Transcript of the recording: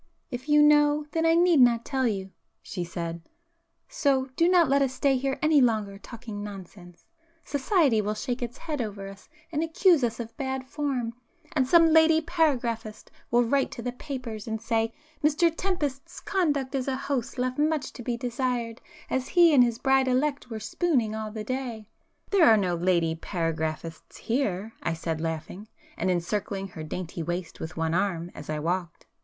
"If you know, then I need not tell you"—she said—"So, do not let us stay here any longer talking nonsense;—'society' will shake its head over us and accuse us of 'bad form,' and some lady paragraphist will write to the papers, and, say—'Mr Tempest's conduct as a host left much to be desired, as he and his bride elect were "spooning" all the day.'" [p 271]"There are no lady paragraphists here,"—I said laughing, and encircling her dainty waist with one arm as I walked.